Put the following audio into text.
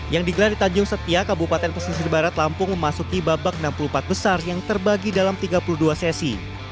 yang digelar di tanjung setia kabupaten pesisir barat lampung memasuki babak enam puluh empat besar yang terbagi dalam tiga puluh dua sesi